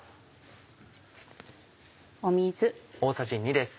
水。